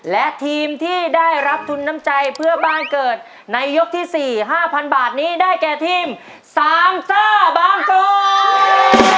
และทีมที่ได้รับทุนน้ำใจเพื่อบ้านเกิดในยกที่๔๕๐๐บาทนี้ได้แก่ทีม๓ซ่าบางกรวย